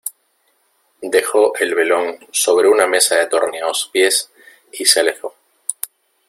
dejó el velón sobre una mesa de torneados pies, y se alejó: